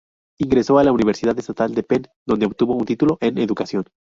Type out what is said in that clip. Ingresó en la Universidad Estatal de Penn, donde obtuvo un título en educación.